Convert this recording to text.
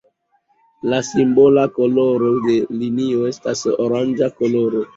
La simbola koloro de linio estas oranĝa koloro.